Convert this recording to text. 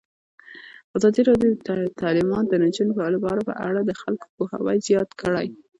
ازادي راډیو د تعلیمات د نجونو لپاره په اړه د خلکو پوهاوی زیات کړی.